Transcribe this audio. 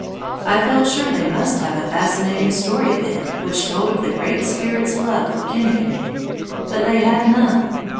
I felt sure they must have a fascinating story of it which told of the Great Spirit's love for Kinnikinick, but they had none.